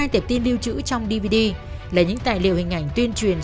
một mươi hai tiệp tin lưu trữ trong dvd là những tài liệu hình ảnh tuyên truyền